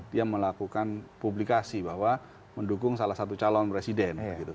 dia melakukan publikasi bahwa mendukung salah satu calon presiden